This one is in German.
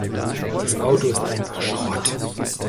Das Auto ist einfach Schrott.